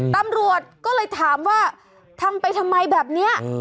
ตำรวจก็เลยถามว่าทำไปทำไมแบบนี้